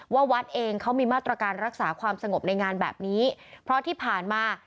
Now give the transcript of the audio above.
วัดเองเขามีมาตรการรักษาความสงบในงานแบบนี้เพราะที่ผ่านมา